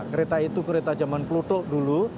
kereta itu kereta zaman kelutuk dulu